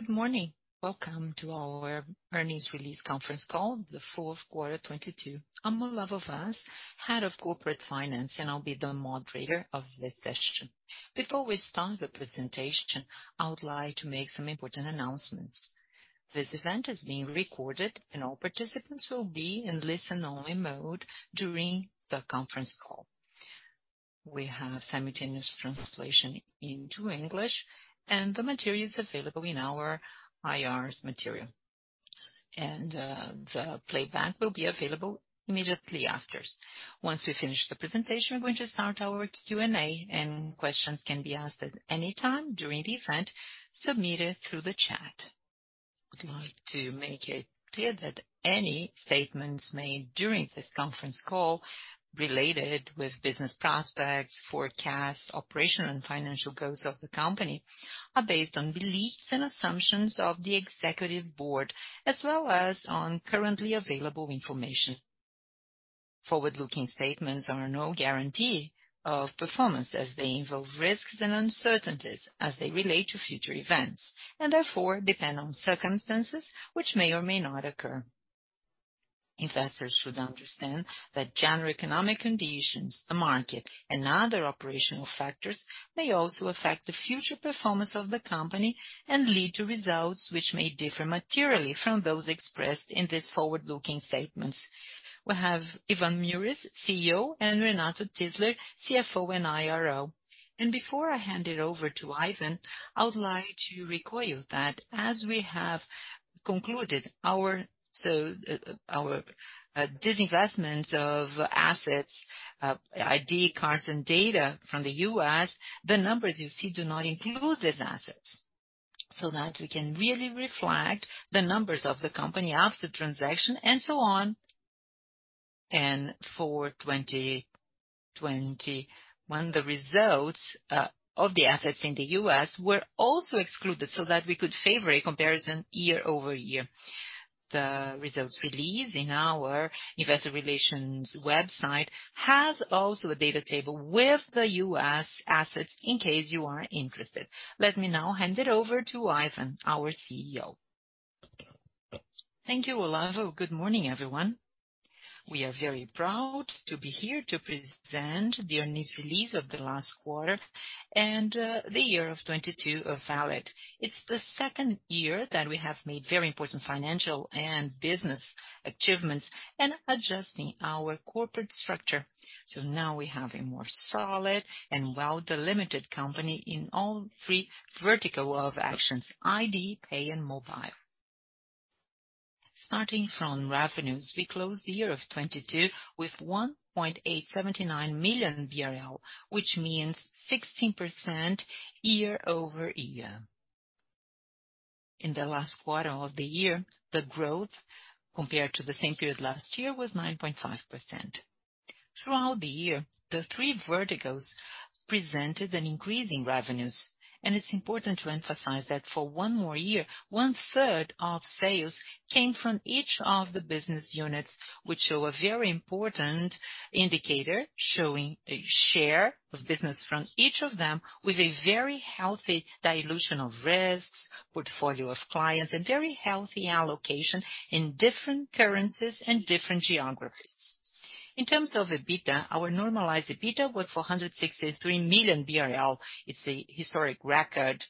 Good morning. Welcome to our earnings release conference call, the fourth quarter 2022. I'm Olavo Vaz, Head of Corporate Finance. I'll be the moderator of this session. Before we start the presentation, I would like to make some important announcements. This event is being recorded. All participants will be in listen only mode during the conference call. We have simultaneous translation into English. The material is available in our IR's material. The playback will be available immediately after. Once we finish the presentation, we're going to start our Q&A, and questions can be asked at any time during the event, submitted through the chat. We'd like to make it clear that any statements made during this conference call related with business prospects, forecasts, operational and financial goals of the company, are based on beliefs and assumptions of the executive board, as well as on currently available information. Forward-looking statements are no guarantee of performance as they involve risks and uncertainties as they relate to future events, and therefore depend on circumstances which may or may not occur. Investors should understand that general economic conditions, the market, and other operational factors may also affect the future performance of the company and lead to results which may differ materially from those expressed in these forward-looking statements. We have Ivan Murias, CEO, and Renato Tyszler, CFO and IRO. Before I hand it over to Ivan, I would like to recall you that as we have concluded our disinvestment of assets, ID cards and data from the U.S., the numbers you see do not include these assets so that we can really reflect the numbers of the company after transaction and so on. For 2021, the results of the assets in the U.S. were also excluded so that we could favor a comparison year-over-year. The results released in our investor relations website has also a data table with the U.S. assets in case you are interested. Let me now hand it over to Ivan, our CEO. Thank you, Olavo. Good morning, everyone. We are very proud to be here to present the earnings release of the last quarter and the year of 2022 of Valid. It's the second year that we have made very important financial and business achievements and adjusting our corporate structure. Now we have a more solid and well delimited company in all three vertical of actions: ID, Pay, and Mobile. Starting from revenues, we closed the year of 2022 with 1.879 million BRL, which means 16% year-over-year. In the last quarter of the year, the growth compared to the same period last year was 9.5%. Throughout the year, the three verticals presented an increase in revenues, and it's important to emphasize that for one more year, one-third of sales came from each of the business units, which show a very important indicator, showing a share of business from each of them with a very healthy dilution of risks, portfolio of clients, and very healthy allocation in different currencies and different geographies. In terms of EBITDA, our normalized EBITDA was 463 million BRL. It's a historic record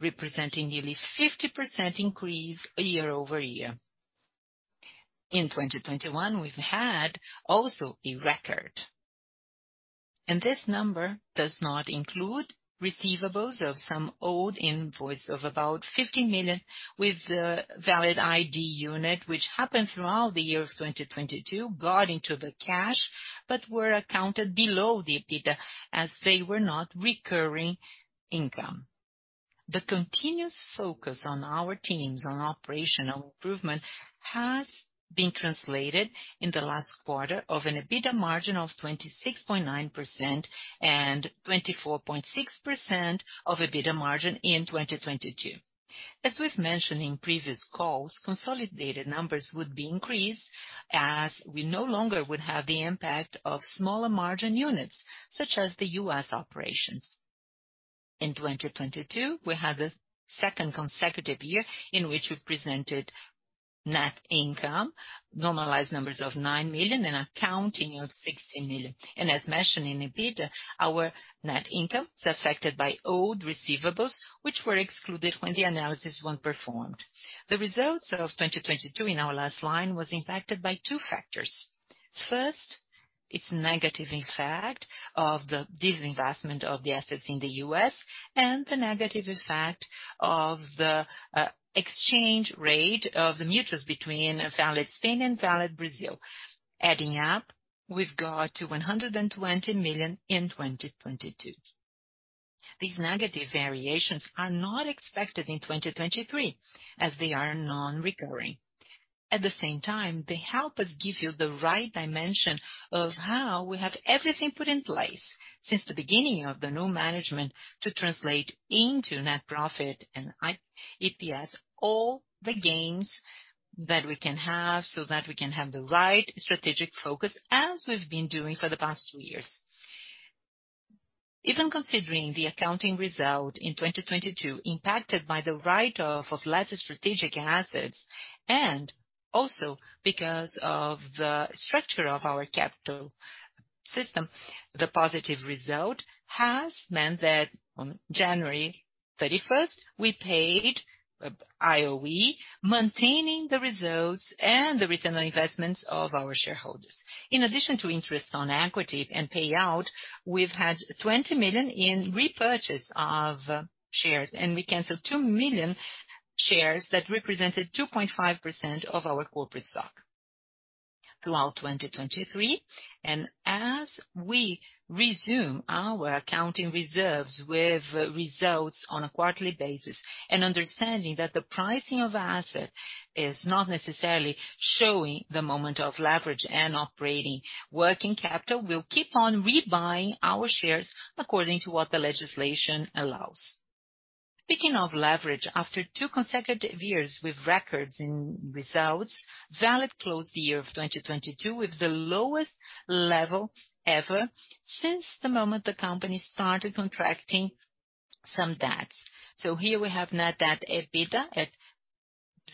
representing nearly 50% increase year-over-year. In 2021, we've had also a record. This number does not include receivables of some old invoice of about 50 million with the Valid ID unit, which happened throughout the year of 2022, got into the cash, but were accounted below the EBITDA as they were not recurring income. The continuous focus on our teams on operational improvement has been translated in the last quarter of an EBITDA margin of 26.9% and 24.6% of EBITDA margin in 2022. As we've mentioned in previous calls, consolidated numbers would be increased as we no longer would have the impact of smaller margin units, such as the U.S. operations. In 2022, we had the second consecutive year in which we presented net income, normalized numbers of 9 million and a counting of 60 million. As mentioned in EBITDA, our net income is affected by old receivables, which were excluded when the analysis was performed. The results of 2022 in our last line was impacted by two factors. First, its negative effect of the disinvestment of the assets in the U.S. and the negative effect of the exchange rate of the euros between Valid Spain and Valid Brazil. Adding up, we've got to 120 million in 2022. These negative variations are not expected in 2023 as they are non-recurring. At the same time, they help us give you the right dimension of how we have everything put in place since the beginning of the new management to translate into net profit and EPS all the gains that we can have so that we can have the right strategic focus as we've been doing for the past two years. Even considering the accounting result in 2022 impacted by the write-off of less strategic assets, and also because of the structure of our capital system, the positive result has meant that on January 31st, we paid IOE, maintaining the results and the return on investment of our shareholders. In addition to interest on equity and payout, we've had 20 million in repurchase of shares, and we canceled 2 million shares that represented 2.5% of our corporate stock. Throughout 2023, as we resume our accounting reserves with results on a quarterly basis and understanding that the pricing of asset is not necessarily showing the moment of leverage and operating working capital, we'll keep on rebuying our shares according to what the legislation allows. Speaking of leverage, after two consecutive years with records in results, Valid closed the year of 2022 with the lowest level ever since the moment the company started contracting some debts. Here we have net debt EBITDA at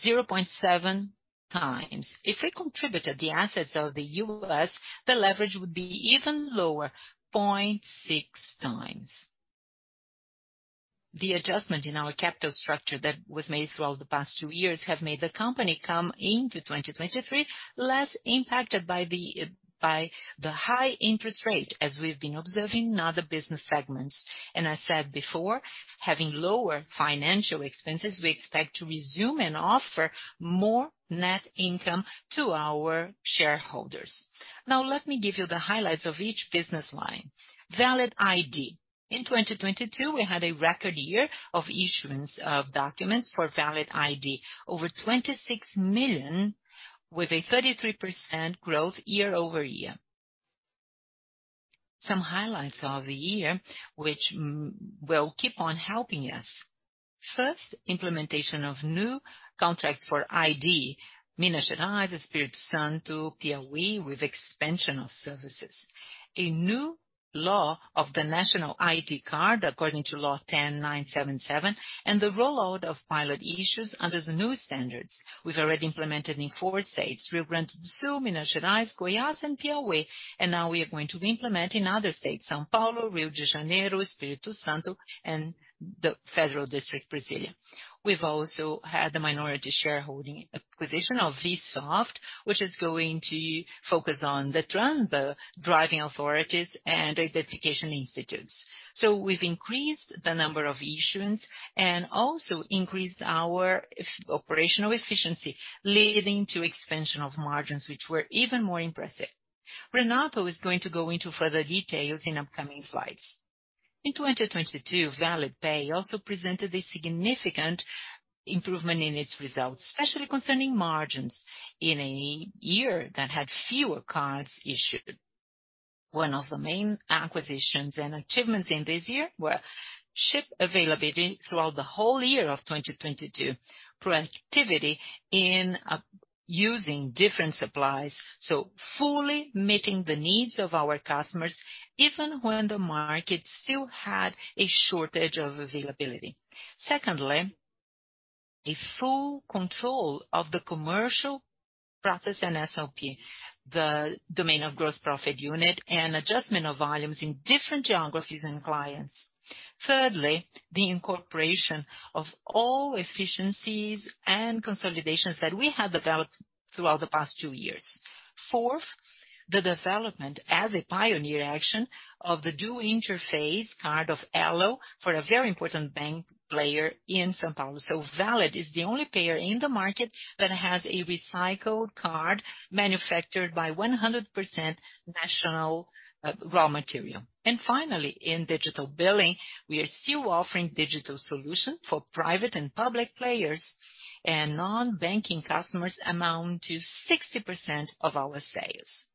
0.7x. If we contributed the assets of the U.S., the leverage would be even lower, 0.6x. The adjustment in our capital structure that was made throughout the past two years have made the company come into 2023 less impacted by the high interest rate, as we've been observing in other business segments. I said before, having lower financial expenses, we expect to resume and offer more net income to our shareholders. Now, let me give you the highlights of each business line. Valid ID. In 2022, we had a record year of issuance of documents for Valid ID. Over 26 million with a 33% growth year-over-year. Some highlights of the year which we'll keep on helping us. First, implementation of new contracts for ID, Minas Gerais, Espírito Santo, Piauí, with expansion of services. A new law of the national ID card, according to Law 10.977, and the rollout of pilot issues under the new standards. We've already implemented in four states, Rio Grande do Sul, Minas Gerais, Goiás, and Piauí, and now we are going to implement in other states, São Paulo, Rio de Janeiro, Espírito Santo, and the Federal District, Brasília. We've also had the minority shareholding acquisition of VSoft, which is going to focus on the DETRAN driving authorities and identification institutes. We've increased the number of issuance and also increased our operational efficiency, leading to expansion of margins, which were even more impressive. Renato is going to go into further details in upcoming slides. In 2022, Valid Pay also presented a significant improvement in its results, especially concerning margins in a year that had fewer cards issued. One of the main acquisitions and achievements in this year were chip availability throughout the whole year of 2022. Proactivity in using different supplies, so fully meeting the needs of our customers, even when the market still had a shortage of availability. Secondly, a full control of the commercial process and SOP, the domain of gross profit unit and adjustment of volumes in different geographies and clients. Thirdly, the incorporation of all efficiencies and consolidations that we have developed throughout the past two years. Fourth, the development as a pioneer action of the dual interface card of Elo for a very important bank player in São Paulo. Valid is the only player in the market that has a recycled card manufactured by 100% national raw material. Finally, in digital billing, we are still offering digital solution for private and public players and non-banking customers amount to 60% of our sales.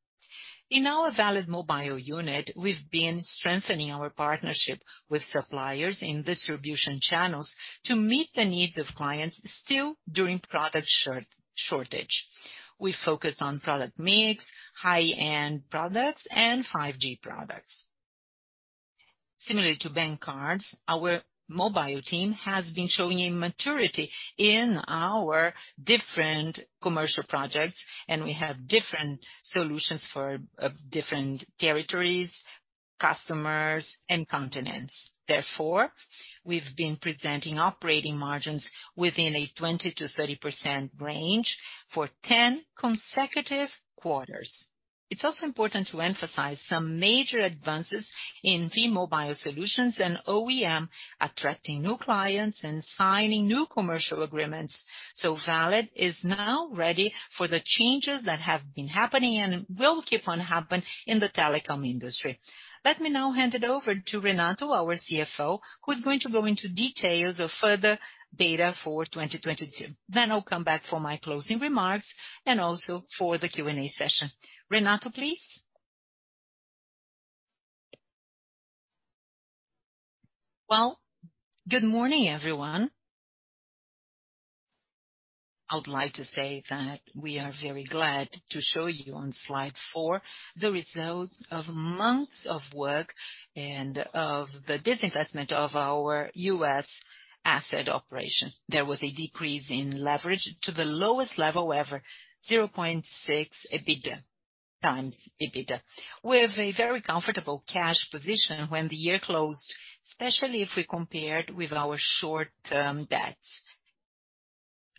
In our Valid Mobile unit, we've been strengthening our partnership with suppliers in distribution channels to meet the needs of clients still during product shortage. We focus on product mix, high-end products and 5G products. Similarly to bank cards, our Mobile team has been showing a maturity in our different commercial projects, and we have different solutions for different territories, customers, and continents. Therefore, we've been presenting operating margins within a 20%-30% range for 10 consecutive quarters. It's also important to emphasize some major advances in the Mobile solutions and OEM attracting new clients and signing new commercial agreements. Valid is now ready for the changes that have been happening and will keep on happening in the telecom industry. Let me now hand it over to Renato, our CFO, who's going to go into details of further data for 2022. I'll come back for my closing remarks and also for the Q&A session. Renato, please. Good morning, everyone. I would like to say that we are very glad to show you on slide four the results of months of work and of the disinvestment of our U.S. asset operation. There was a decrease in leverage to the lowest level ever, 0.6x EBITDA, times EBITDA, with a very comfortable cash position when the year closed, especially if we compared with our short-term debts.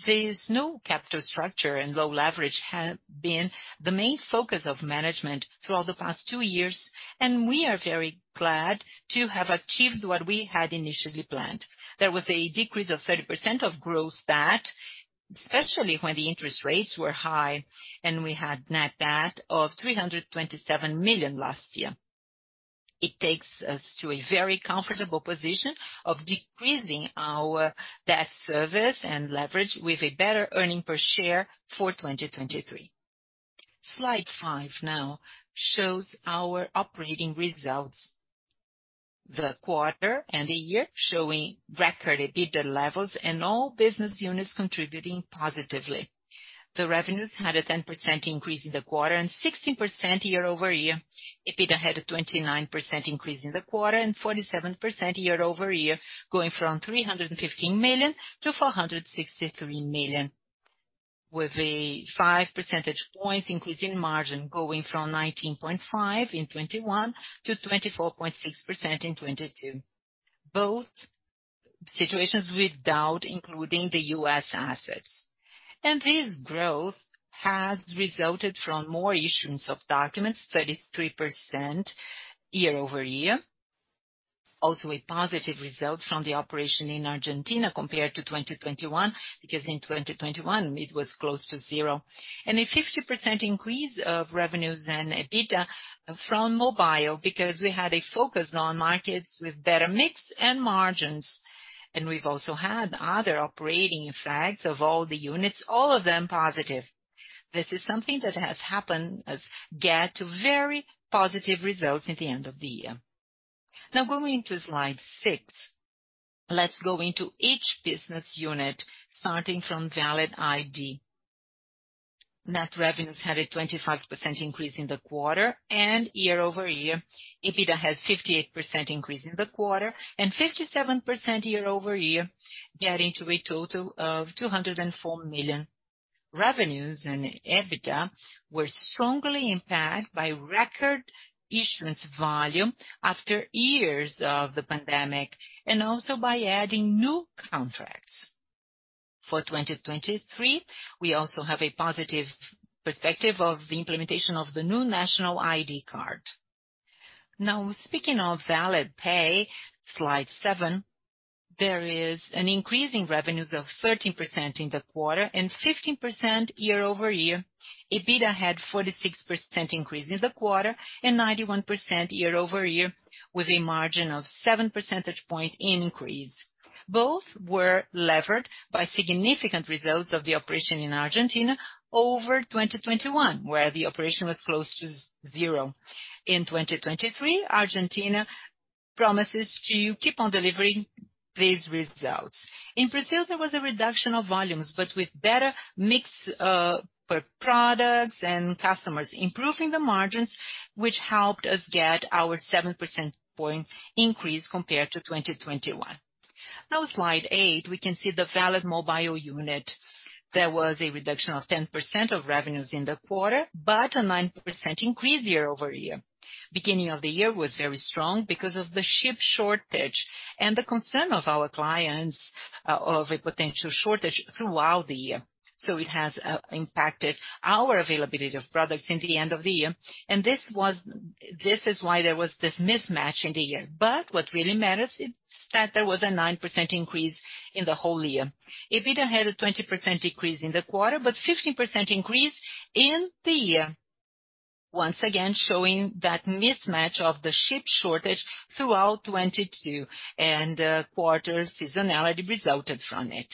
This new capital structure and low leverage have been the main focus of management throughout the past two years. We are very glad to have achieved what we had initially planned. There was a decrease of 30% of gross debt, especially when the interest rates were high. We had net debt of 327 million last year. It takes us to a very comfortable position of decreasing our debt service and leverage with a better earning per share for 2023. Slide five now shows our operating results. The quarter and the year showing record EBITDA levels and all business units contributing positively. The revenues had a 10% increase in the quarter and 16% year-over-year. EBITDA had a 29% increase in the quarter and 47% year-over-year, going from 315 million-463 million, with a 5 percentage points increase in margin, going from 19.5% in 2021 to 24.6% in 2022. Both situations without including the U.S. assets. This growth has resulted from more issuance of documents, 33% year-over-year. A positive result from the operation in Argentina compared to 2021, because in 2021 it was close to zero. A 50% increase of revenues and EBITDA from Mobile because we had a focus on markets with better mix and margins. We've also had other operating effects of all the units, all of them positive. This is something that has helped us get very positive results at the end of the year. Going to slide six. Let's go into each business unit starting from Valid ID. Net revenues had a 25% increase in the quarter and year-over-year. EBITDA had 58% increase in the quarter and 57% year-over-year, getting to a total of 204 million. Revenues and EBITDA were strongly impacted by record issuance volume after years of the pandemic and also by adding new contracts. For 2023, we also have a positive perspective of the implementation of the new national ID card. Speaking of Valid Pay, slide seven, there is an increase in revenues of 13% in the quarter and 15% year-over-year. EBITDA had 46% increase in the quarter and 91% year-over-year with a margin of 7 percentage point increase. Both were levered by significant results of the operation in Argentina over 2021, where the operation was close to zero. 2023, Argentina promises to keep on delivering these results. In Brazil, there was a reduction of volumes, but with better mix per products and customers, improving the margins, which helped us get our 7 percentage point increase compared to 2021. Slide eight, we can see the Valid Mobile unit. There was a reduction of 10% of revenues in the quarter, but a 9% increase year-over-year. Beginning of the year was very strong because of the chip shortage and the concern of our clients of a potential shortage throughout the year. It has impacted our availability of products in the end of the year. This is why there was this mismatch in the year. What really matters is that there was a 9% increase in the whole year. EBITDA had a 20% decrease in the quarter, but 15% increase in the year. Once again, showing that mismatch of the chip shortage throughout 2022 and quarter seasonality resulted from it.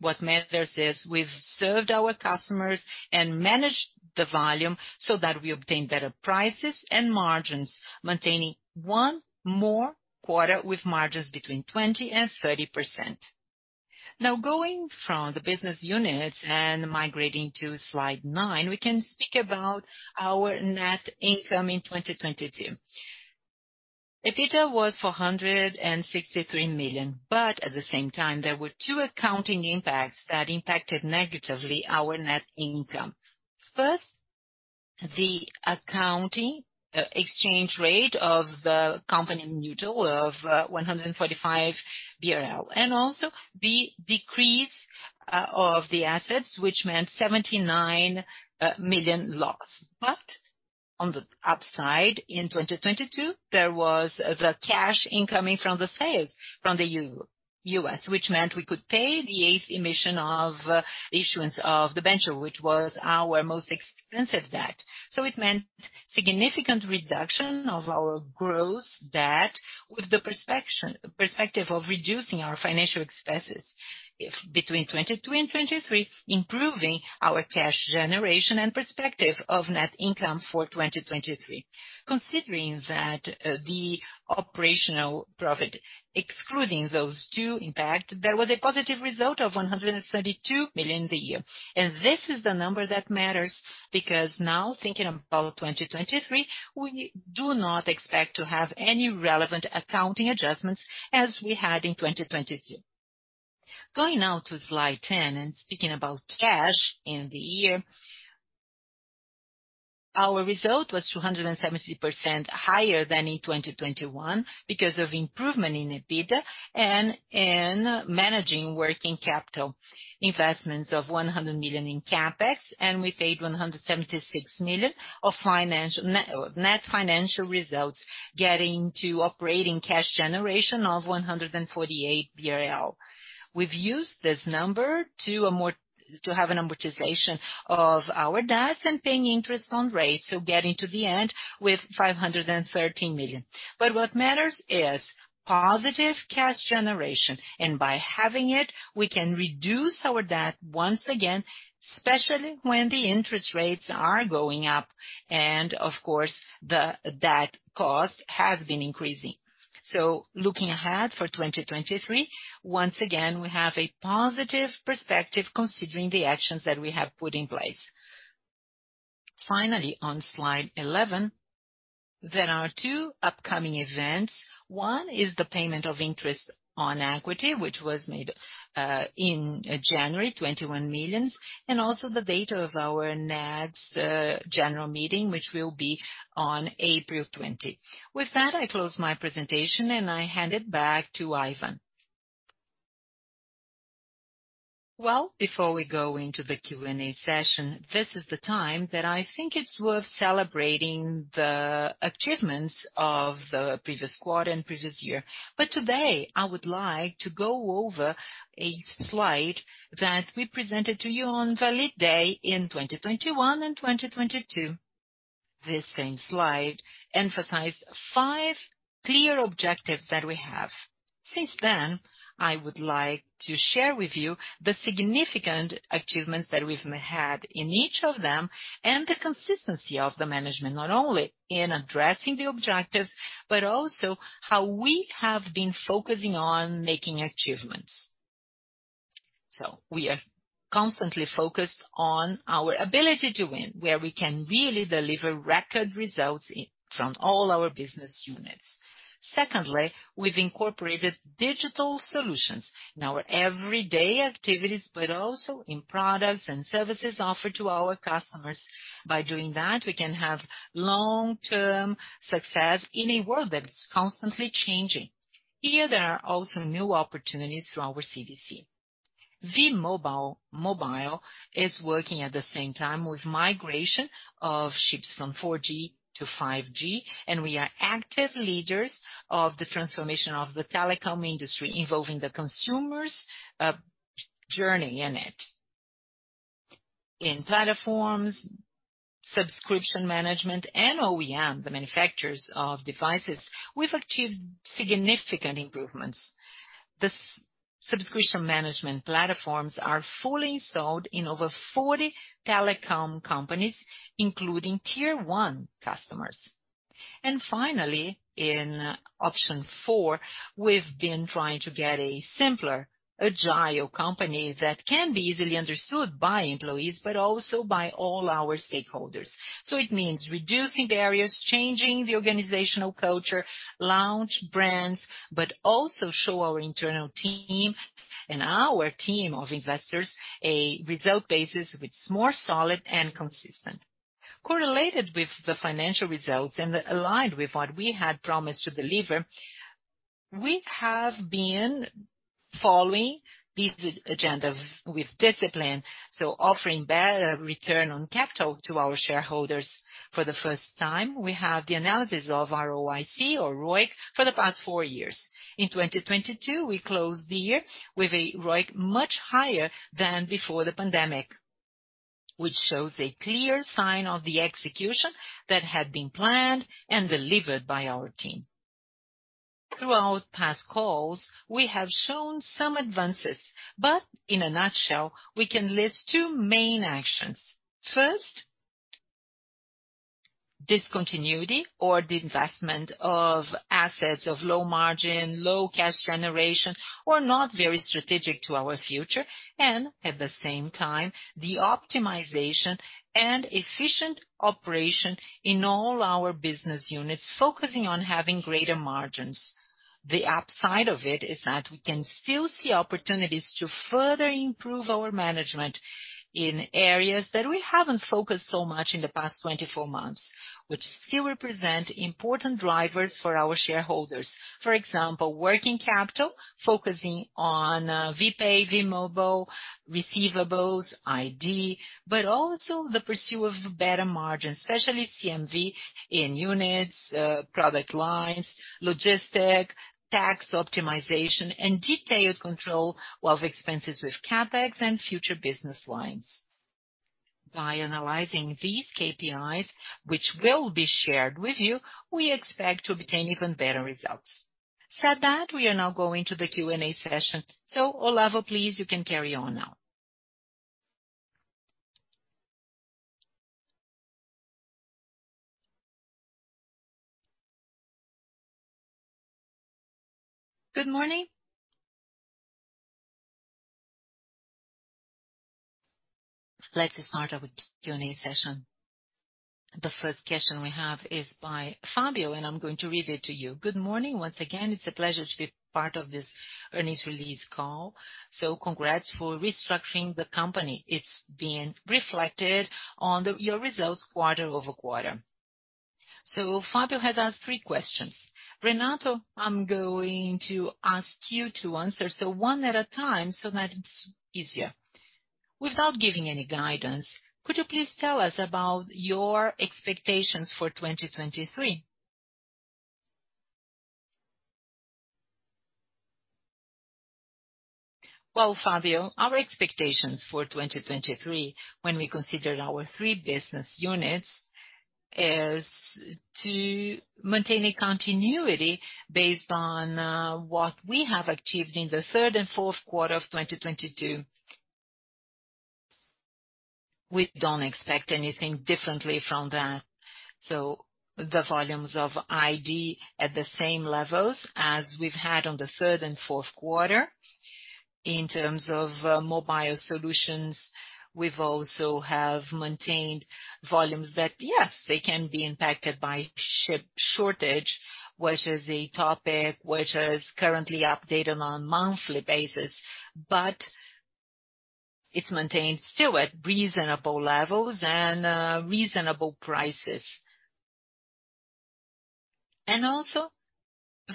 What matters is we've served our customers and managed the volume so that we obtain better prices and margins, maintaining one more quarter with margins between 20% and 30%. Going from the business units and migrating to slide nine, we can speak about our net income in 2022. EBITDA was 463 million. At the same time, there were two accounting impacts that impacted negatively our net income. First, the accounting exchange rate of the company mutual of 145 million BRL, and also the decrease of the assets, which meant 79 million loss. On the upside, in 2022, there was the cash incoming from the sales from the U.S., which meant we could pay the eighth emission of issuance of the venture, which was our most expensive debt. It meant significant reduction of our gross debt with the perspective of reducing our financial expenses if between 2022 and 2023, improving our cash generation and perspective of net income for 2023. Considering that, the operational profit, excluding those two impact, there was a positive result of 172 million in the year. This is the number that matters, because now thinking about 2023, we do not expect to have any relevant accounting adjustments as we had in 2022. Going now to Slide 10 and speaking about cash in the year. Our result was 270% higher than in 2021 because of improvement in EBITDA and in managing working capital investments of 100 million in CapEx, and we paid 176 million of net financial results, getting to operating cash generation of 148 million BRL. We've used this number to have an amortization of our debts and paying interest on rates, so getting to the end with 513 million. What matters is positive cash generation, and by having it, we can reduce our debt once again, especially when the interest rates are going up and, of course, that cost has been increasing. Looking ahead for 2023, once again, we have a positive perspective considering the actions that we have put in place. Finally, on slide 11, there are two upcoming events. One is the payment of interest on equity, which was made in January, 21 million, and also the date of our next General Meeting, which will be on April 20. With that, I close my presentation, and I hand it back to Ivan. Well, before we go into the Q&A session, this is the time that I think it's worth celebrating the achievements of the previous quarter and previous year. Today, I would like to go over a slide that we presented to you on the lead day in 2021 and 2022. This same slide emphasized five clear objectives that we have. Since then, I would like to share with you the significant achievements that we've had in each of them and the consistency of the management, not only in addressing the objectives, but also how we have been focusing on making achievements. We are constantly focused on our ability to win, where we can really deliver record results from all our business units. Secondly, we've incorporated digital solutions in our everyday activities, but also in products and services offered to our customers. By doing that, we can have long-term success in a world that is constantly changing. Here, there are also new opportunities through our CVC. V Mobile, Mobile is working at the same time with migration of ships from 4G to 5G, we are active leaders of the transformation of the telecom industry, involving the consumer's journey in it. In platforms, subscription management, and OEM, the manufacturers of devices, we've achieved significant improvements. The subscription management platforms are fully installed in over 40 telecom companies, including Tier 1 customers. Finally, in option four, we've been trying to get a simpler, agile company that can be easily understood by employees, but also by all our stakeholders. It means reducing barriers, changing the organizational culture, launch brands, but also show our internal team and our team of investors a result basis which is more solid and consistent. Correlated with the financial results and aligned with what we had promised to deliver, we have been following this agenda with discipline, so offering better return on capital to our shareholders for the first time. We have the analysis of ROIC or ROIC for the past four years. In 2022, we closed the year with a ROIC much higher than before the pandemic, which shows a clear sign of the execution that had been planned and delivered by our team. Throughout past calls, we have shown some advances, but in a nutshell, we can list two main actions. First, discontinuity or the investment of assets of low margin, low cash generation, or not very strategic to our future. At the same time, the optimization and efficient operation in all our business units, focusing on having greater margins. The upside of it is that we can still see opportunities to further improve our management in areas that we haven't focused so much in the past 24 months, which still represent important drivers for our shareholders. For example, working capital, focusing on V Pay, V Mobile, receivables, ID, but also the pursuit of better margins, especially CMV in units, product lines, logistics, tax optimization, and detailed control of expenses with CapEx and future business lines. By analyzing these KPIs, which will be shared with you, we expect to obtain even better results. Said that, we are now going to the Q&A session. Olavo, please, you can carry on now. Good morning. Let's start our Q&A session. The first question we have is by Fabio, and I'm going to read it to you. Good morning, once again, it's a pleasure to be part of this earnings release call. Congrats for restructuring the company. It's being reflected on your results quarter-over-quarter. Fabio has asked three questions. Renato, I'm going to ask you to answer. One at a time so that it's easier. Without giving any guidance, could you please tell us about your expectations for 2023? Well, Fabio, our expectations for 2023, when we consider our three business units, is to maintain a continuity based on what we have achieved in the third and fourth quarter of 2022. We don't expect anything differently from that. The volumes of ID at the same levels as we've had on the third and fourth quarter. In terms of Mobile solutions, we've also maintained volumes that, yes, they can be impacted by chip shortage, which is a topic which is currently updated on monthly basis. It's maintained still at reasonable levels and reasonable prices.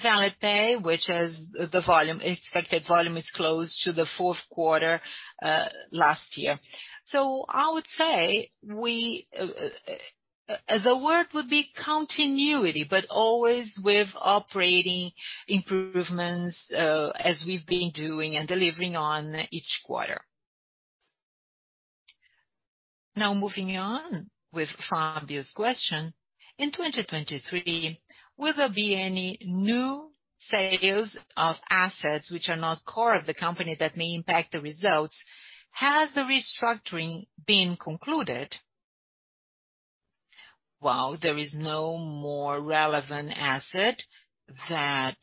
Valid Pay, which is the expected volume, is close to the fourth quarter last year. I would say we, the word would be continuity, but always with operating improvements as we've been doing and delivering on each quarter. Now, moving on with Fabio's question. In 2023, will there be any new sales of assets which are not core of the company that may impact the results? Has the restructuring been concluded? Well, there is no more relevant asset that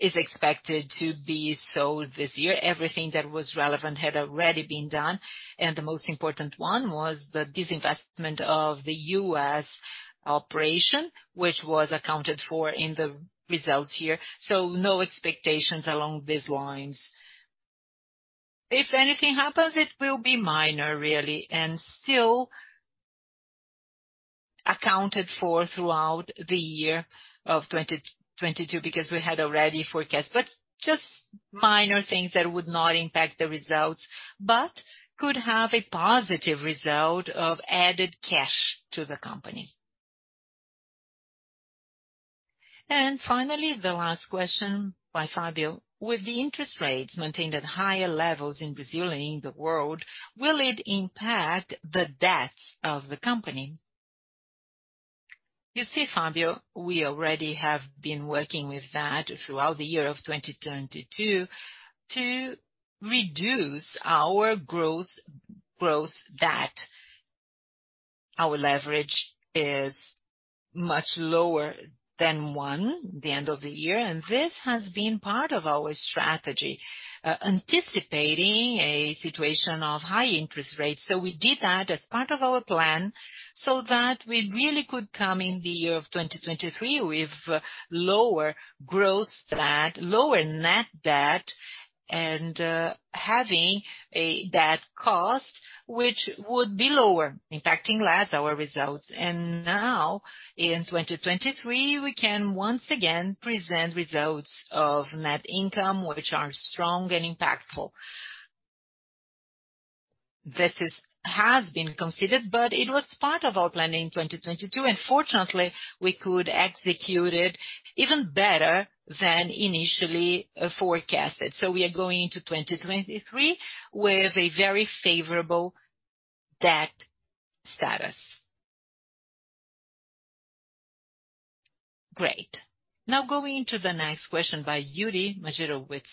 is expected to be sold this year. Everything that was relevant had already been done, and the most important one was the disinvestment of the U.S. Operation, which was accounted for in the results here. No expectations along these lines. If anything happens, it will be minor, really, and still accounted for throughout the year of 2022, because we had already forecast. Just minor things that would not impact the results, but could have a positive result of added cash to the company. Finally, the last question by Fabio: With the interest rates maintained at higher levels in Brazil and in the world, will it impact the debts of the company? You see, Fabio, we already have been working with that throughout the year of 2022 to reduce our gross debt. Our leverage is much lower than one the end of the year, and this has been part of our strategy, anticipating a situation of high interest rates. We did that as part of our plan so that we really could come in the year of 2023 with lower gross debt, lower net debt, and having a debt cost which would be lower, impacting less our results. Now, in 2023, we can once again present results of net income which are strong and impactful. This has been considered, but it was part of our planning in 2022, and fortunately, we could execute it even better than initially forecasted. We are going into 2023 with a very favorable debt status. Great. Now going to the next question by Iuri Majerowicz.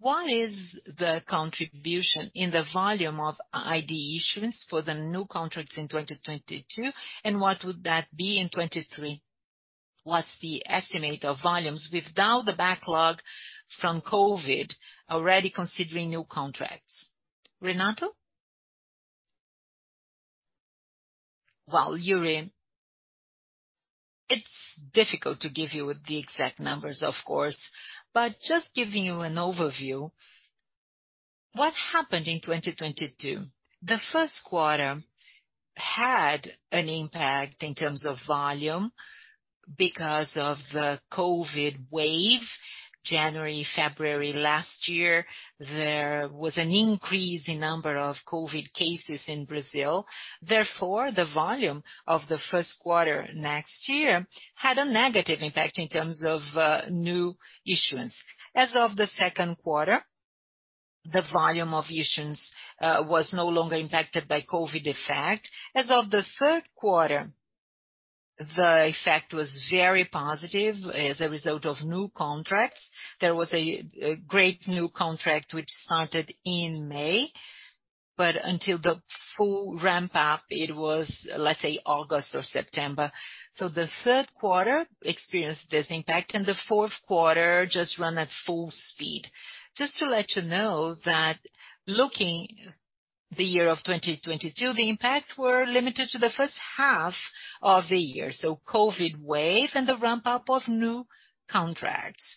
What is the contribution in the volume of ID issuance for the new contracts in 2022, and what would that be in 2023? What's the estimate of volumes without the backlog from COVID, already considering new contracts? Renato? Well, Iuri, it's difficult to give you the exact numbers, of course, but just giving you an overview. What happened in 2022, the first quarter had an impact in terms of volume because of the COVID wave. January, February last year, there was an increase in number of COVID cases in Brazil. The volume of the first quarter next year had a negative impact in terms of new issuance. The second quarter, the volume of issuance was no longer impacted by COVID effect. The third quarter, the effect was very positive as a result of new contracts. There was a great new contract which started in May, but until the Full ramp up, it was, let's say August or September. The third quarter experienced this impact and the fourth quarter just run at full speed. To let you know that looking the year of 2022, the impact were limited to the first half of the year, so COVID wave and the ramp-up of new contracts.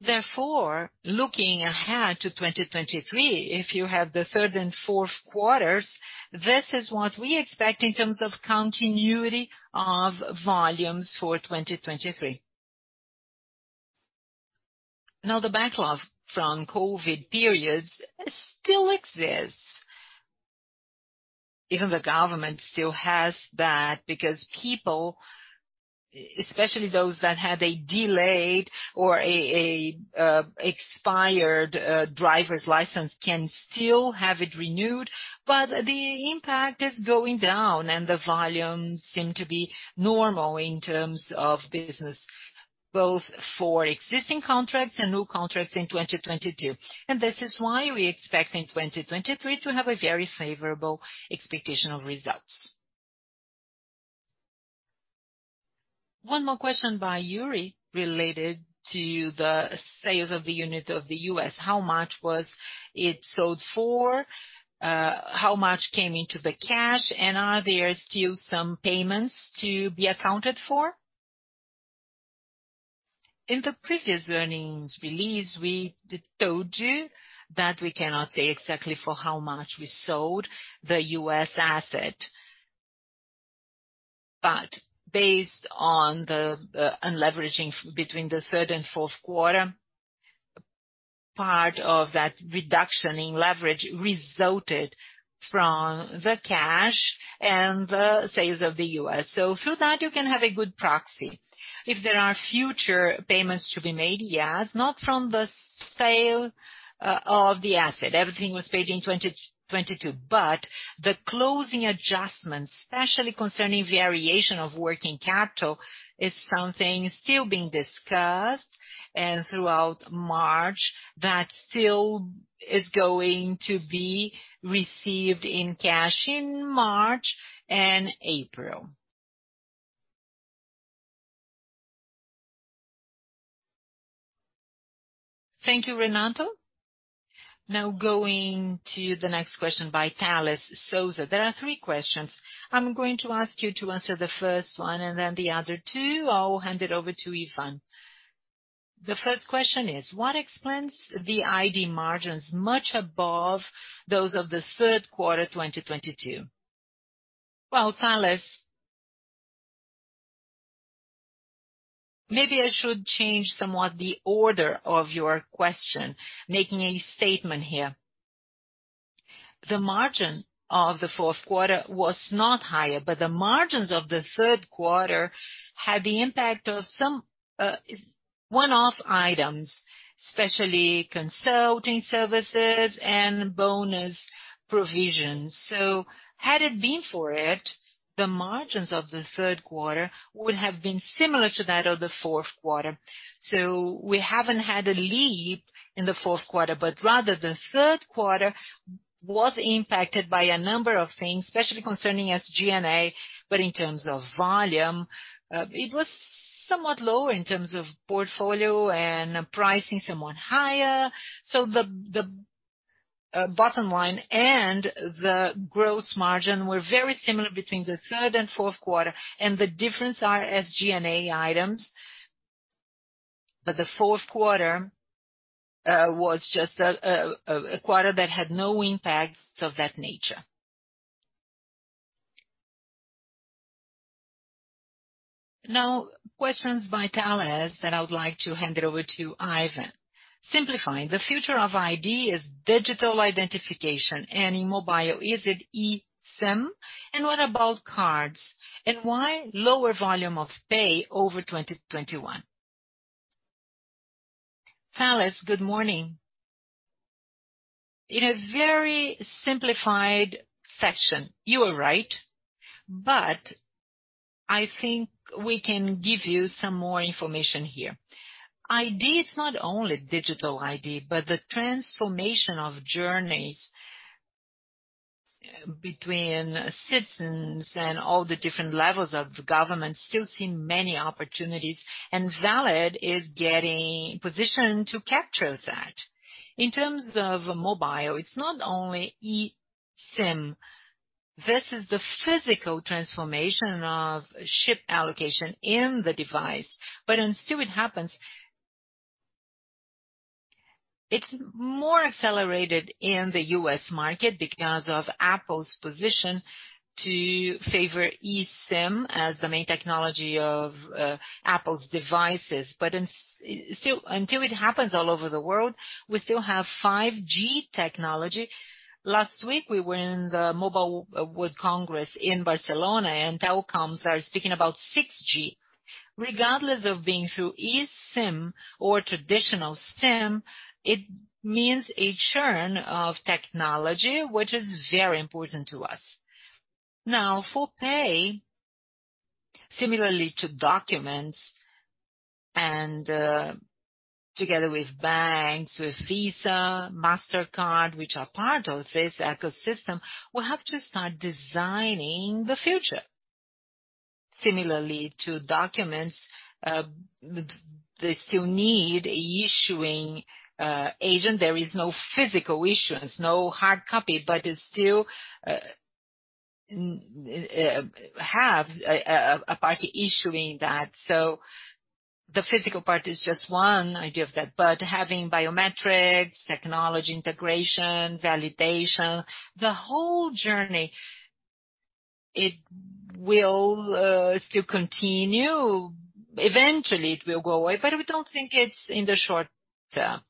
Looking ahead to 2023, if you have the third and fourth quarters, this is what we expect in terms of continuity of volumes for 2023. The backlog from COVID periods still exists. Even the government still has that because people, especially those that had a delayed or a expired driver's license can still have it renewed, but the impact is going down and the volumes seem to be normal in terms of business, both for existing contracts and new contracts in 2022. This is why we expect in 2023 to have a very favorable expectation of results. One more question by Iuri related to the sales of the unit of the U.S. How much was it sold for? How much came into the cash, and are there still some payments to be accounted for? In the previous earnings release, we told you that we cannot say exactly for how much we sold the U.S. asset. Based on the unleveraging between the third and fourth quarter, part of that reduction in leverage resulted from the cash and the sales of the U.S. Through that you can have a good proxy. If there are future payments to be made, yes. Not from the sale of the asset. Everything was paid in 2022. The closing adjustments, especially concerning variation of working capital, is something still being discussed and throughout March that still is going to be received in cash in March and April. Thank you, Renato. Going to the next question by Thales Souza. There are three questions. I'm going to ask you to answer the first one, and then the other two, I will hand it over to Ivan. The first question is, what explains the ID margins much above those of the third quarter, 2022? Thales, maybe I should change somewhat the order of your question, making a statement here. The margin of the fourth quarter was not higher, but the margins of the third quarter had the impact of some one-off items, especially consulting services and bonus provisions. Had it been for it, the margins of the third quarter would have been similar to that of the fourth quarter. We haven't had a leap in the fourth quarter, but rather the third quarter was impacted by a number of things, especially concerning SG&A, but in terms of volume, it was somewhat lower in terms of portfolio and pricing somewhat higher. The, the, bottom line and the gross margin were very similar between the third and fourth quarter, and the difference are SG&A items. The fourth quarter was just a quarter that had no impacts of that nature. Now questions by Thales that I would like to hand it over to Ivan. Simplifying, the future of ID is digital identification and in Mobile, is it eSIM? What about cards? Why lower volume of Valid Pay over 2021? Thales, good morning. In a very simplified fashion, you are right, but I think we can give you some more information here. ID is not only digital ID, but the transformation of journeys between citizens and all the different levels of government still seem many opportunities. Valid is getting positioned to capture that. In terms of Mobile, it's not only eSIM. This is the physical transformation of ship allocation in the device. Until it happens. It's more accelerated in the U.S. market because of Apple's position to favor eSIM as the main technology of Apple's devices. Still, until it happens all over the world, we still have 5G technology. Last week, we were in the Mobile World Congress in Barcelona. Telecoms are speaking about 6G. Regardless of being through eSIM or traditional SIM, it means a churn of technology, which is very important to us. Now, for Pay, similarly to documents and, together with banks, with Visa, Mastercard, which are part of this ecosystem, we have to start designing the future. Similarly to documents, they still need a issuing agent. There is no physical issuance, no hard copy, but it still have a party issuing that. The physical part is just one idea of that. Having biometrics, technology integration, validation, the whole journey, it will still continue. Eventually, it will go away, but we don't think it's in the short term.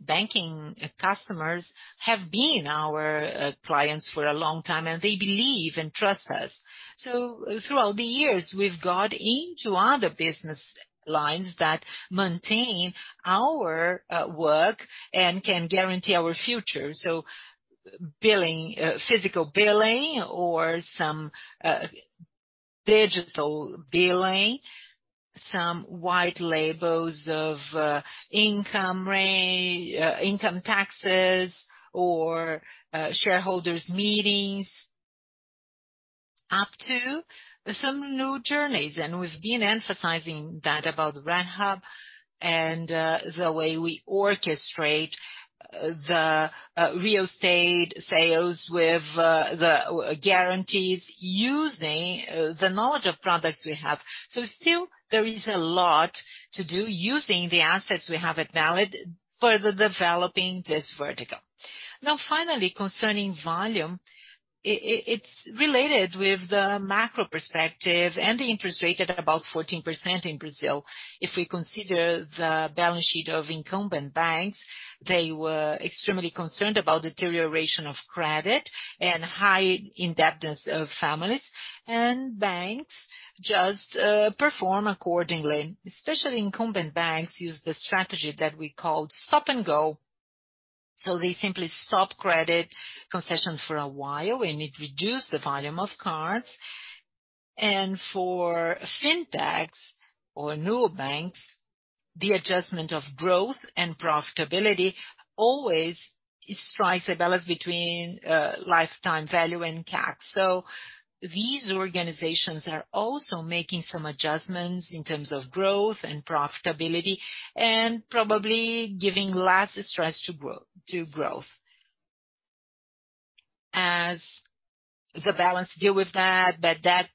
Banking customers have been our clients for a long time, and they believe and trust us. Throughout the years, we've got into other business lines that maintain our work and can guarantee our future. Billing, physical billing or some digital billing, some white labels of income taxes or shareholders meetings up to some new journeys. We've been emphasizing that about RentHub and the way we orchestrate the real estate sales with the guarantees using the knowledge of products we have. Still, there is a lot to do using the assets we have at Valid for the developing this vertical. Finally, concerning volume, it's related with the macro perspective and the interest rate at about 14% in Brazil. If we consider the balance sheet of incumbent banks, they were extremely concerned about deterioration of credit and high indebtedness of families. Banks just perform accordingly. Especially incumbent banks use the strategy that we call stop-and-go. They simply stop credit concession for a while, and it reduced the volume of cards. For fintechs or neobanks, the adjustment of growth and profitability always strikes a balance between lifetime value and CAC. These organizations are also making some adjustments in terms of growth and profitability and probably giving less stress to growth. As the balance deal with that, bad debt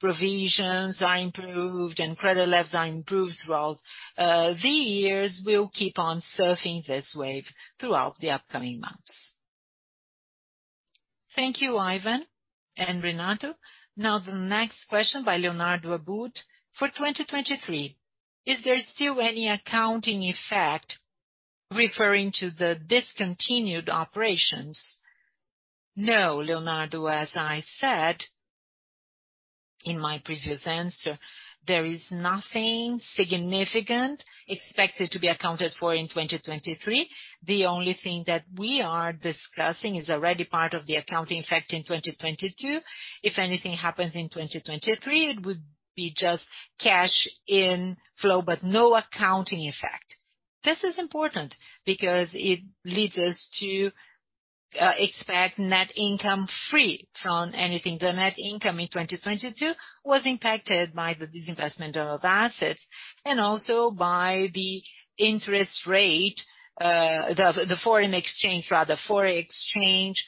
provisions are improved and credit levels are improved throughout the years, we'll keep on surfing this wave throughout the upcoming months. Thank you, Ivan and Renato. The next question by Leonardo Abud: For 2023, is there still any accounting effect referring to the discontinued operations? No, Leonardo. As I said in my previous answer, there is nothing significant expected to be accounted for in 2023. The only thing that we are discussing is already part of the accounting effect in 2022. If anything happens in 2023, it would be just cash inflow, but no accounting effect. This is important because it leads us to expect net income free from anything. The net income in 2022 was impacted by the disinvestment of assets and also by the interest rate. The foreign exchange, rather, foreign exchange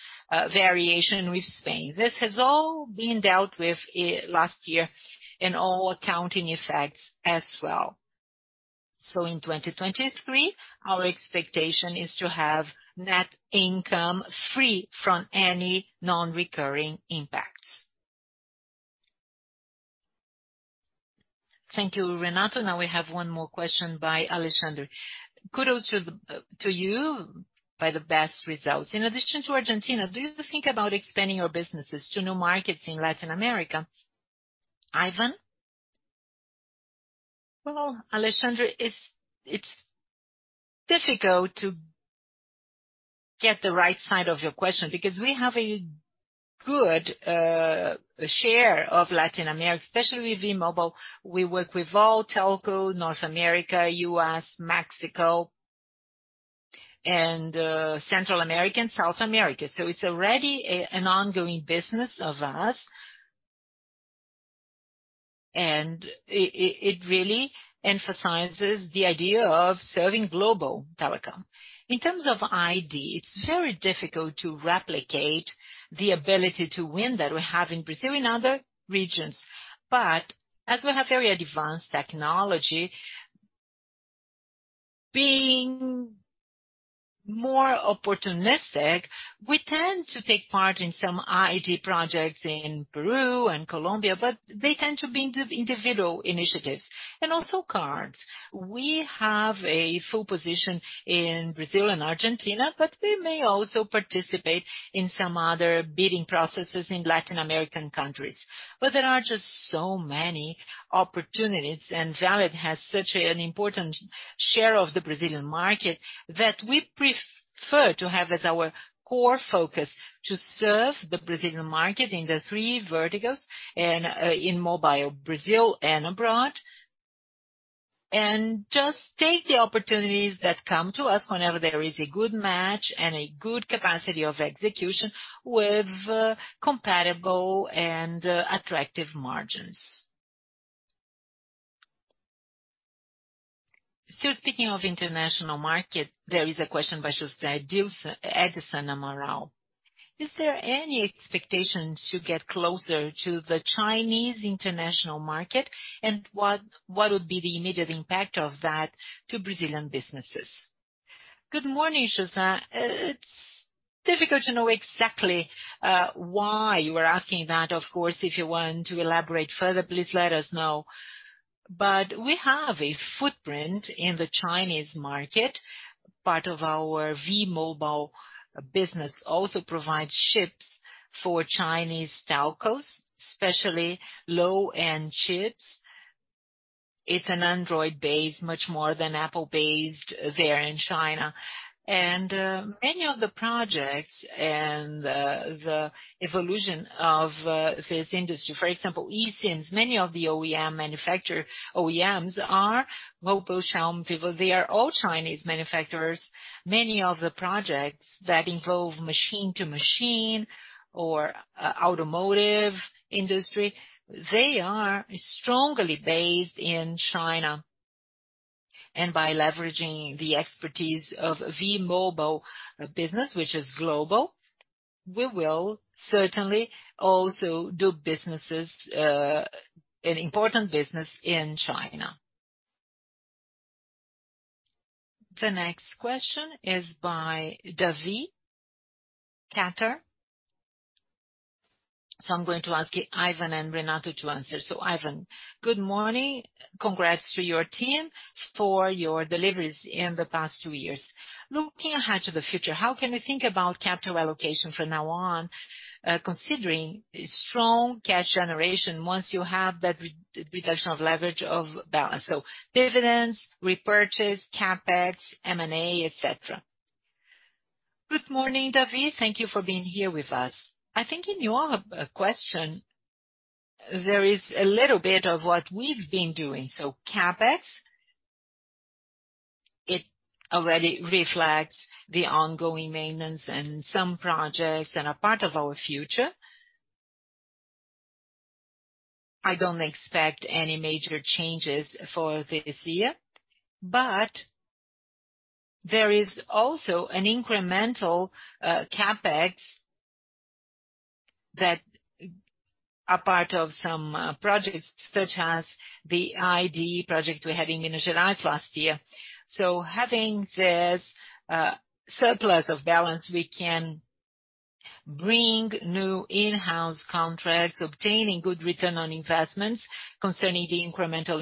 variation with Spain. This has all been dealt with last year in all accounting effects as well. In 2023, our expectation is to have net income free from any non-recurring impacts. Thank you, Renato. We have one more question by Alexandre: Kudos to you by the best results. In addition to Argentina, do you think about expanding your businesses to new markets in Latin America? Ivan? Well, Alexandre, it's difficult to get the right side of your question because we have a good share of Latin America, especially with the Mobile. We work with all telco, North America, U.S., Mexico, Central America and South America. It's already an ongoing business of us. It really emphasizes the idea of serving global telecom. In terms of ID, it's very difficult to replicate the ability to win that we have in Brazil in other regions. As we have very advanced technology, being more opportunistic, we tend to take part in some ID projects in Peru and Colombia, they tend to be individual initiatives. Also cards. We have a full position in Brazil and Argentina, we may also participate in some other bidding processes in Latin American countries. There are just so many opportunities, and Valid has such an important share of the Brazilian market, that we prefer to have as our core focus to serve the Brazilian market in the three verticals and in Mobile Brazil and abroad. Just take the opportunities that come to us whenever there is a good match and a good capacity of execution with compatible and attractive margins. Still speaking of international market, there is a question by José Edson Amaral. Is there any expectation to get closer to the Chinese international market? What would be the immediate impact of that to Brazilian businesses? Good morning, José. It's difficult to know exactly why you are asking that. Of course, if you want to elaborate further, please let us know. We have a footprint in the Chinese market. Part of our Valid Mobile business also provides chips for Chinese telcos, especially low-end chips. It's an Android-based, much more than Apple-based there in China. Many of the projects and the evolution of this industry, for example, eSIMs, many of the OEMs are OPPO, Xiaomi, Vivo. They are all Chinese manufacturers. Many of the projects that involve machine to machine or automotive industry, they are strongly based in China. By leveraging the expertise of Valid Mobile business, which is global, we will certainly also do businesses, an important business in China. The next question is by Davi Cater. I'm going to ask Ivan and Renato to answer. Ivan, good morning. Congrats to your team for your deliveries in the past two years. Looking ahead to the future, how can we think about capital allocation from now on, considering strong cash generation once you have that reduction of leverage of balance? Dividends, repurchase, CapEx, M&A, etc. Good morning, Davi. Thank you for being here with us. I think in your question, there is a little bit of what we've been doing. CapEx, it already reflects the ongoing maintenance and some projects and a part of our future. I don't expect any major changes for this year, but there is also an incremental CapEx that are part of some projects, such as the ID project we had in Minas Gerais last year. Having this surplus of balance, we can bring new in-house contracts, obtaining good return on investments concerning the incremental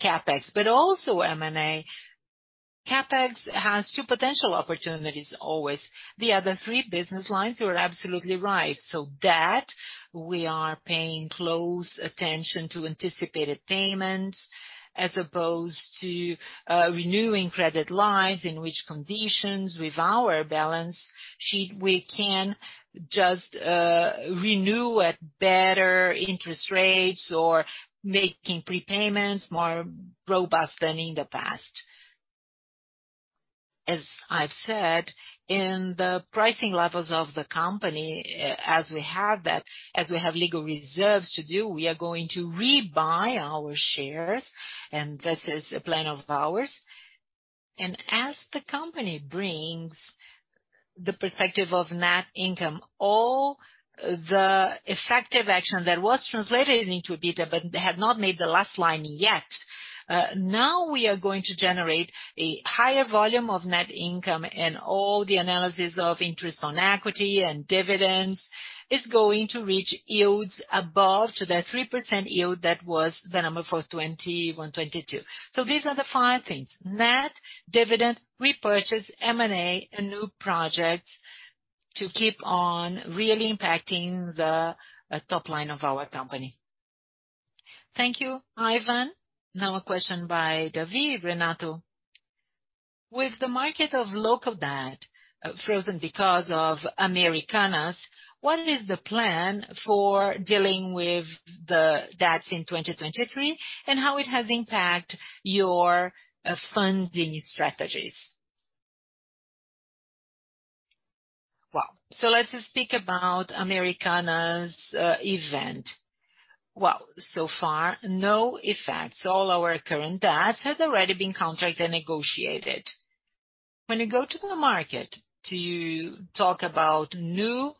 CapEx, but also M&A. CapEx has two potential opportunities always. The other three business lines, you are absolutely right. Debt, we are paying close attention to anticipated payments as opposed to renewing credit lines in which conditions with our balance sheet we can just renew at better interest rates or making prepayments more robust than in the past. As I've said, in the pricing levels of the company, as we have that, as we have legal reserves to do, we are going to rebuy our shares, and this is a plan of ours. As the company brings the perspective of net income, all the effective action that was translated into EBITDA but had not made the last line yet, now we are going to generate a higher volume of net income and all the analysis of interest on equity and dividends is going to reach yields above to the 3% yield that was the number for 2021, 2022. These are the five things: net, dividend, repurchase, M&A, and new projects to keep on really impacting the top line of our company. Thank you, Ivan. Now a question by Davi, Renato. With the market of local debt frozen because of Americanas, what is the plan for dealing with the debts in 2023? How it has impact your funding strategies? Well, let's speak about Americanas' event. Well, so far, no effects. All our current debts have already been contracted and negotiated. When you go to the market to talk about new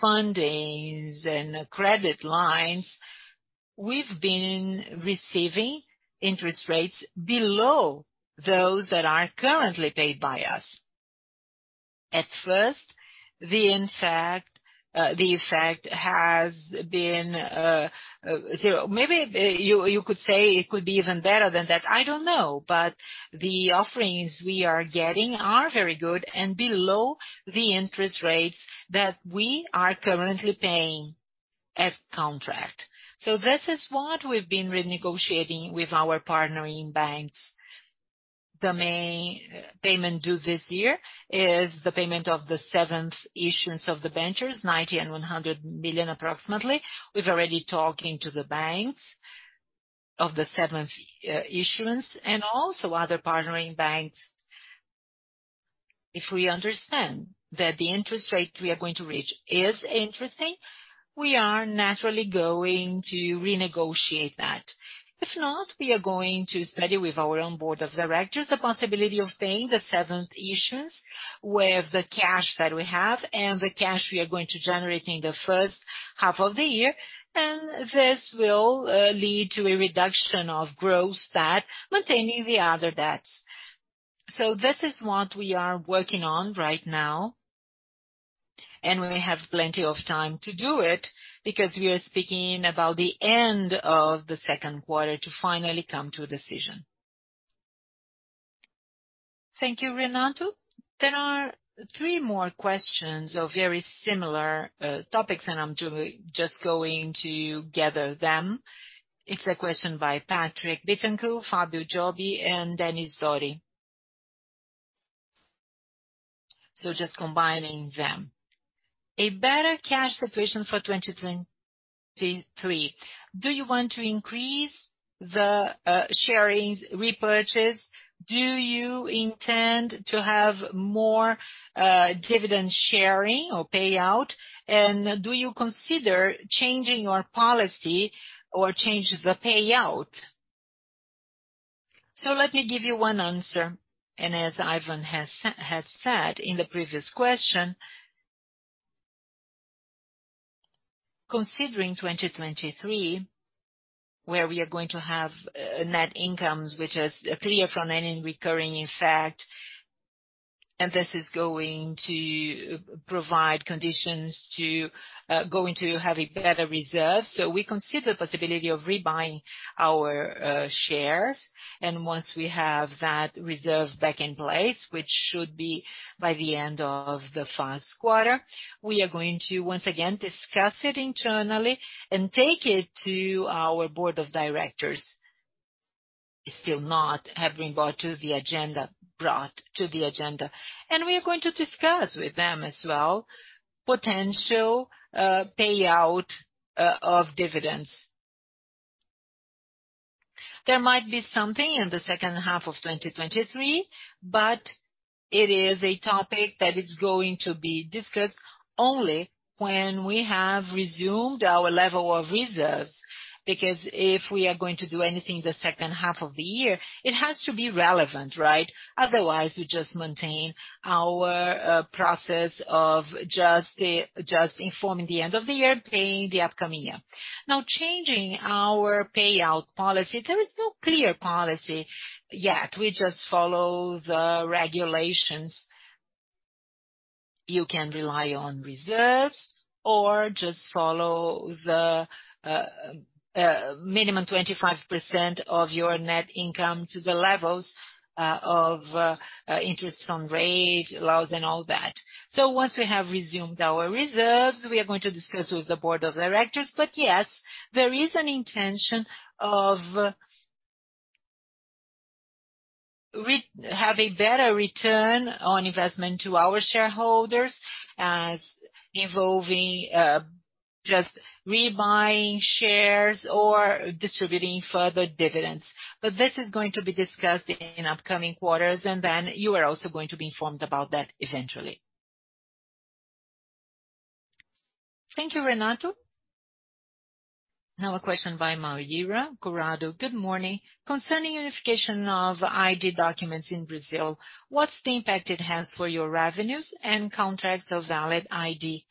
fundings and credit lines, we've been receiving interest rates below those that are currently paid by us. At first, the effect has been zero. Maybe you could say it could be even better than that. I don't know. The offerings we are getting are very good and below the interest rates that we are currently paying as contract. This is what we've been renegotiating with our partnering banks. The main payment due this year is the payment of the seventh issuance of the ventures, 90 million and 100 million approximately. We've already talking to the banks of the seventh issuance and also other partnering banks. If we understand that the interest rate we are going to reach is interesting, we are naturally going to renegotiate that. If not, we are going to study with our own board of directors the possibility of paying the seventh issuance with the cash that we have and the cash we are going to generate in the first half of the year. This will lead to a reduction of gross debt, maintaining the other debts. This is what we are working on right now, and we have plenty of time to do it because we are speaking about the end of the second quarter to finally come to a decision. Thank you, Renato. There are three more questions of very similar topics, and I'm just going to gather them. It's a question by Patrick Bittencourt, Fábio Jobim and [Denis Dory]. Just combining them. A better cash situation for 2023. Do you want to increase the sharing repurchase? Do you intend to have more dividend sharing or payout? Do you consider changing your policy or change the payout? Let me give you one answer. As Ivan has said in the previous question. Considering 2023, where we are going to have net incomes, which is clear from any recurring effect, and this is going to provide conditions to going to have a better reserve. We consider the possibility of rebuying our shares. Once we have that reserve back in place, which should be by the end of the first quarter, we are going to once again discuss it internally and take it to our board of directors. It's still not have been brought to the agenda. We are going to discuss with them as well potential payout of dividends. There might be something in the second half of 2023, but it is a topic that is going to be discussed only when we have resumed our level of reserves. If we are going to do anything in the second half of the year, it has to be relevant, right? Otherwise, we just maintain our process of just informing the end of the year, paying the upcoming year. Now, changing our payout policy, there is no clear policy yet. We just follow the regulations. You can rely on reserves or just follow the minimum 25% of your net income to the levels of interest on rate laws and all that. Once we have resumed our reserves, we are going to discuss with the board of directors. Yes, there is an intention of have a better return on investment to our shareholders as involving just rebuying shares or distributing further dividends. This is going to be discussed in upcoming quarters, you are also going to be informed about that eventually. Thank you, Renato. A question by Mayra [Corrado]. Good morning. Concerning unification of ID documents in Brazil, what's the impact it has for your revenues and contracts of Valid ID?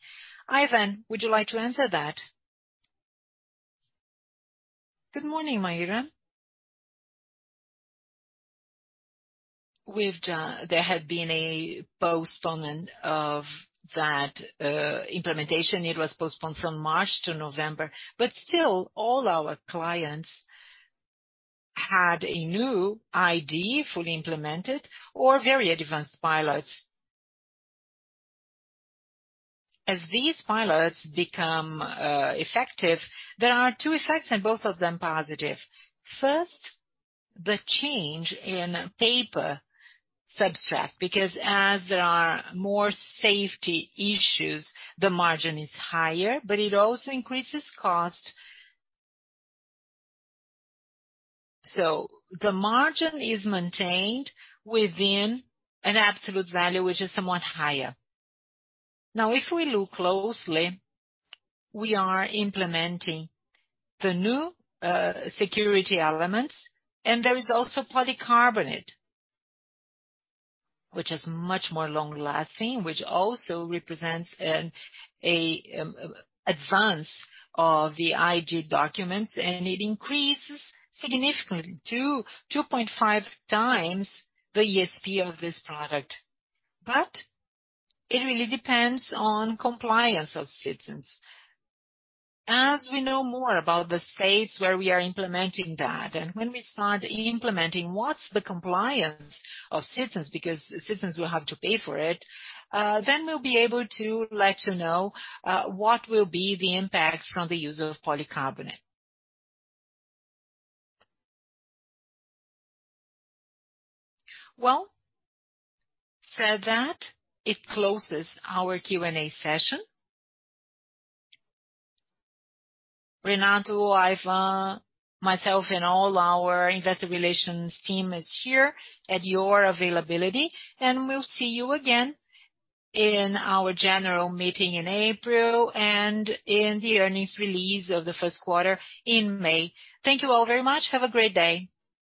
Ivan, would you like to answer that? Good morning, Mayra. There had been a postponement of that implementation. It was postponed from March to November. Still, all our clients had a new ID fully implemented or very advanced pilots. As these pilots become effective, there are two effects and both of them positive. First, the change in paper subtract, because as there are more safety issues, the margin is higher, but it also increases cost. The margin is maintained within an absolute value, which is somewhat higher. Now, if we look closely, we are implementing the new security elements, and there is also polycarbonate, which is much more long-lasting, which also represents an advance of the ID documents, and it increases significantly to 2.5x the ASP of this product. It really depends on compliance of citizens. As we know more about the states where we are implementing that and when we start implementing what's the compliance of citizens, because citizens will have to pay for it, then we'll be able to let you know what will be the impact from the use of polycarbonate. Well, said that, it closes our Q&A session. Renato, Ivan, myself, and all our investor relations team is here at your availability, and we'll see you again in our general meeting in April and in the earnings release of the first quarter in May. Thank you all very much. Have a great day.